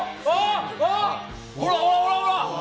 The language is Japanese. ほらほらほらほら！